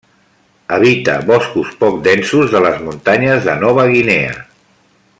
Habita boscos poc densos de les muntanyes de Nova Guinea.